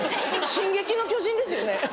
『進撃の巨人』ですよね。